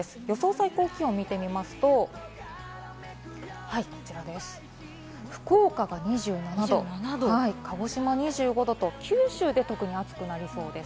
最高気温を見てみますと、福岡が２７度、鹿児島２５度と、九州で特に暑くなりそうです。